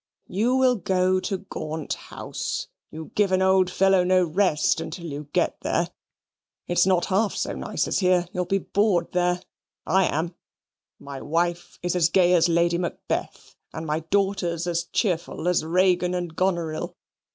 You will go to Gaunt House. You give an old fellow no rest until you get there. It's not half so nice as here. You'll be bored there. I am. My wife is as gay as Lady Macbeth, and my daughters as cheerful as Regan and Goneril.